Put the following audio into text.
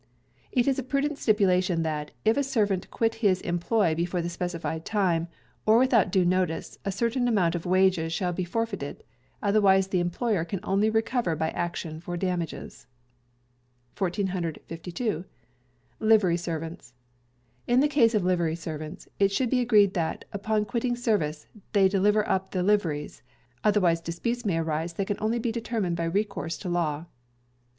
It is a Prudent Stipulation that, if a servant quit his employ before the specified time, or without due notice, a certain amount of wages shall be forfeited; otherwise the employer can only recover by action for damages. 1452. Livery Servants. In the case of Livery Servants, it should be agreed that, upon quitting service, they deliver up the liveries; otherwise disputes may arise that can only be determined by recourse to law.